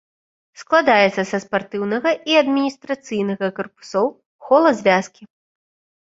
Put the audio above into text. Складаецца са спартыўнага і адміністрацыйнага карпусоў, хола-звязкі.